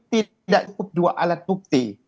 tidak cukup dua alat bukti